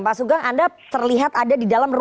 pak sugeng anda terlihat ada di dalam ruangan